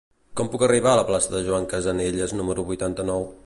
Com puc arribar a la plaça de Joan Casanelles número vuitanta-nou?